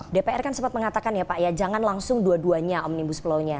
dpr kan sempat mengatakan ya pak ya jangan langsung dua duanya omnibus law nya